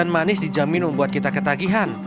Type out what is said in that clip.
manis dijamin membuat kita ketagihan